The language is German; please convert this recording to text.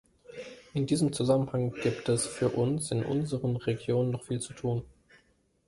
In diesem Zusammenhang gibt es für uns in unseren Regionen noch viel zu tun.